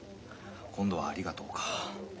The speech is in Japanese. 今度は「ありがとう」か。